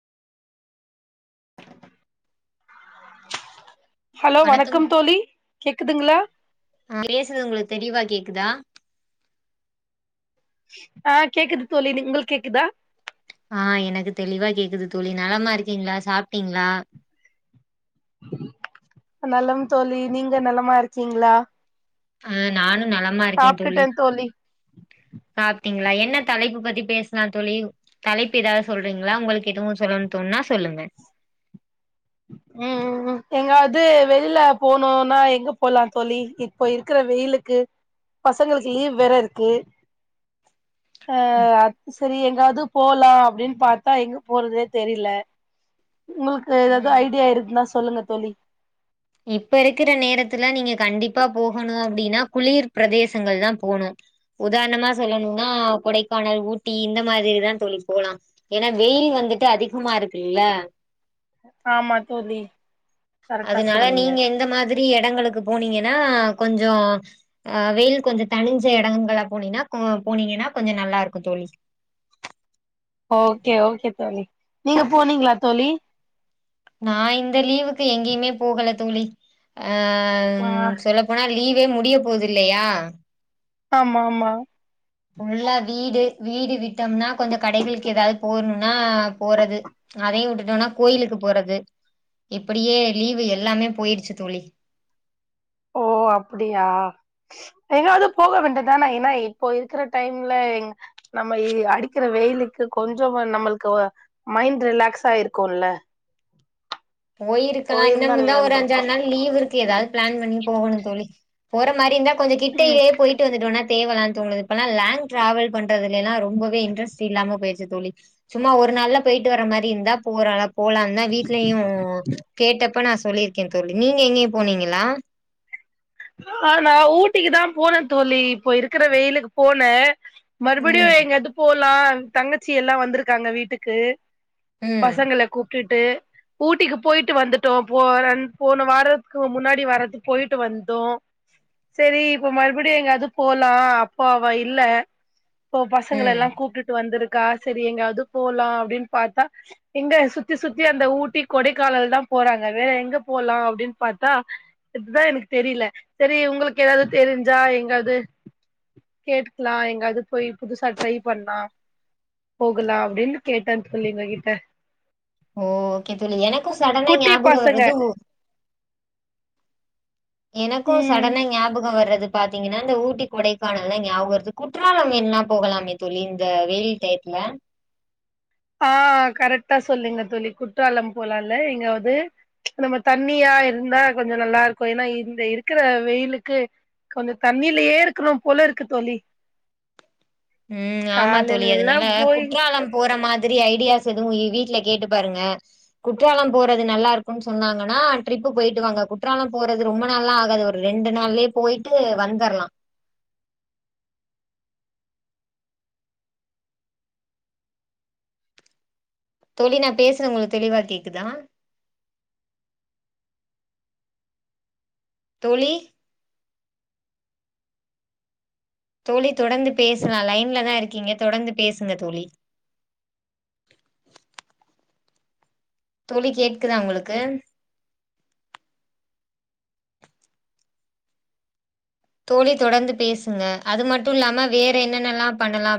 hello வணக்கம் தோழி கேக்குதுங்களா நா பேசுறது உங்களுக்கு தெளிவா கேக்குதா ஆஹ் கேக்குது தோழி நீ உங்களுக்கு கேக்குதா ஆஹ் எனக்கு தெளிவா கேக்குது தோழி நலமா இருக்கீங்களா சாப்ட்டீங்களா நலம் தோழி நீங்க நலமா இருக்கீங்ளா ஆஹ் நானு நலமா இருக்கே தோழி சாப்ட்டீங்களா என்ன தலைப்பு பத்தி பேசலா தோழி தலைப்பு ஏதாவது சொல்றீங்களா உங்களுக்கு எதுவு சொல்லணு தோண்ணா சொல்லுங்க உம் ம் ம் எங்காவது வெளில போனுனா எங்க போலா தோழி இப்போ இருக்குற வெயிலுக்கு பசங்களுக்கு லீவ் வேற இருக்கு ஆஹ் செரி எங்காவது போலா அப்டின் பாத்தா எங்க போறதுனே தெரில உங்குளுக்கு ஏதாது எது ம் ஐடியா இருக்குனா சொல்லுங்க தோழி இப்ப இருக்கிற நேரத்துல நீங்க கண்டிப்பா போகணு அப்டின்னா குளிர் பிரதேசங்கள் தா போணு உதாரணமா சொல்லணுனா கொடைக்கானல் ஊட்டி இந்த மாரிதா தோழி போலா ஏன்னா வெயில் வந் துட்டு அதிகமா இருக்குல்ல ஆமா தோழி கரெக்டா அதனால சொன்னீங்க நீங்க இந்த மாதிரி எடங்களுக்கு போனீங்கன்னா கொஞ்சோ அ வெயில் கொஞ்சோ தனிஞ்ச எடங்களா போனீன்னா போனீங்கன்னா கொஞ்சோ நல்லா இருக்கூ தோழி ஓகே ஓகே தோழி நீங்க போனீங்ளா தோழி நா இந்த லீவுக்கு எங்கயுமே போகல தோழி ஆ ஆ ம் சொல்ல போனா லீவே முடிய போது இல்லயா ஆம்மா ஆம்மா புல்லா வீடு வீடு விட்டோம்னா கொஞ்சோ கடைகளுக்கு ஏதாவ்து போணுனா போறது அதயு வுட்டுட்டோனா கோயிலுக்கு போறது இப்படியே லீவு எல்லாமே போய்டிச்சி தோழி ஓ அப்டியா எங்காவது போக வேண்டிதான ஏன்னா இப்போ இருக்கிற டைம்ல செரிங் நம்ம இ அடிக்கிற வெயிலுக்கு கொஞ்சோ நம்மளுக்கு மைண்ட் ரிலாக்ஸ் ஆ இருக்கூ உள்ள போய்ருக்கலா இன்னமுந்தா ஒரு இருந்திருக்கு அஞ்சாறு நாள் லீவ் இருக்கு ஏதாவ்து ப்ளான் பண்ணி போகணு தோழி போற மாரி இருந்தா கொஞ்சோ ம் கிட்டயே போய்ட்டு வந்துட்டோனா வந்துட்டோம்னா தேவலான் தோனுது இப்பல்லா லாங்க் டிராவல் பண்றதுலெல்லா ரொம்பவே இன்ட்ரெஸ்ட் இல்லாம பேய்ருச்சு தோழி சும்மா ஒரு நல்லா பேயிட்டு வர்ற மாரி இருந்தா போறல போலாந்தா வீட்லயு கேட்டப்ப நா சொல்லிருக்கே தோழி நீங்க எங்கயு போனீங்களா ஆ நா ஊட்டிக்கி தா போன தோழி இப்போ இருக்குற வெயிலுக்கு போன மறுபடியு ம் எங்கயாவ்து போலா தங்கச்சி எல்லா வந்திருக்காங்க வீட்டுக்கு ம் பசங்கள கூப்ட்டுட் டு ஊட்டிக்கு போய்ட்டு வந்துட்டோ போ ரன் போன வாரத்துக்கு முன்னாடி வாரத்துக்கு போய்ட்டு வந் தோ சேரி இப்போ மறுபடியு எங்காது போலா அப்போ அவ இல்ல இப்போ ம் பசங்கலெல்லா கூப்டுட்டு வந்திருக் க்கா சேரி எங்கயாவ்து போலா அப்டின் பாத்தா எங்க சுத்தி சுத்தி அந்த ஊட்டி கொடைக்கானல் தா போறாங்க வேற எங்க போலா அப்டின் பாத்தா இதுதா எனக்கு தெரில சேரி உங்களுக்கு ஏதாவ்து தெரிஞ்சா எங்காவ்து கேட்டுக்லா எங்காவ்து போய் புதுசா ட்ரை பண்லா போகலாம் அப்டின்னு கேட்டன் தோழி உங்க கிட்ட ஓகே தோழி எனக்கும் சடனா குட்டி ஞாபகம் பசங்க வர்றது ஊ எனக்கூ ம் சடனா ஞாபகம் வர்றது து பாத்தீங்கன்னா இந்த ஊட்டி கொடைக்கானல்லா ஞயாபகம் வருது குற்றாலம் வேன்னா போகலாமே தோழி இந்த வெயில் டைம் ல ஆ கரெக்டா சொல்லிங்க தோழி குற்றாலம் போலால்ல எங்கயாவ்து நம்ம தண்ணியா இருந்தா கொஞ்ச நல்லா இருக்கும் ஏன்னா இந்த இருக்குற வெயிலுக்கு கொஞ்சோ தண்ணிலயே இருக்கணும் போல இருக்கு தோழி ம் ஆமா தோழி காலையில அதனால எல்லாம் போய் குற்றாலம் போற மாத் திரி ஐடியாஸ் எதுவு வீட்ல கேட்டு பாருங்க குற்றாலம் போறது நல்லா இருக்குன் சொன்னாங்கன்னா ட்ரிப் போயிட்டு வாங்க குற்றாலம் போறது ரொம்ப நாள்ல்லா ஆகாது ஒரு ரெண்டு நாள்ளயே போயிட்டு வந்தரலா தோழி நா பேசுற உங்களுக்கு தெளிவா கேக்குதா தோழி தோழி தொடர்ந்து பேசலா லைன்லதா இருக்கீங்க தொடர்ந்து பேசுங்க தோழி தோழி கேக்குதா உங்களுக்கு தோழி தொடர்ந்து பேசுங்க அது மட்டு இல்லாம வேற என்னென்னல்லா பண்ணலா